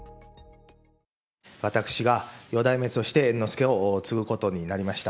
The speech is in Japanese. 私が四代目として猿之助を継ぐことになりました。